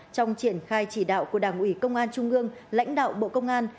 trong triển khai chỉ đạo của đảng ủy công an trung ương lãnh đạo bộ công an